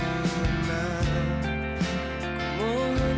aku mohon perbaikanmu